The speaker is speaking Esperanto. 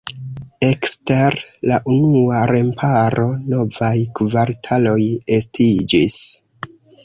Ekster la unua remparo novaj kvartaloj estiĝis.